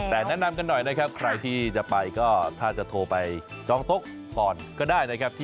แต่แนะนำกันหน่อยนะครับใครที่จะไปก็ถ้าจะโทรไปจองโต๊ะก่อนก็ได้นะครับ